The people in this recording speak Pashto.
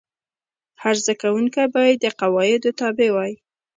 هر زده کوونکی باید د قواعدو تابع وای.